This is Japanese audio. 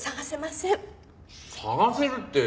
探せるって。